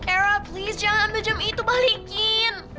era please jangan ambil jam itu balikin